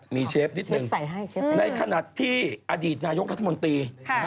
มีเชฟนิดนึงในขณะที่อดีตนายกรัฐมนตรี